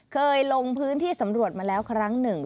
เคยลงพื้นที่สำรวจมาแล้วครั้งหนึ่ง